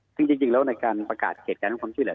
ก็จริงแล้วกลักษณ์ประกาศเขตการให้ความช่วยเหล่า